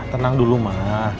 tenang dulu ma